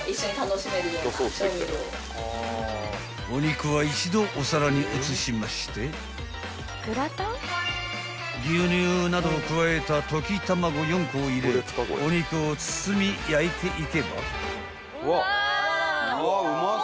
［お肉は一度お皿に移しまして牛乳などを加えた溶き卵４個を入れお肉を包み焼いていけば］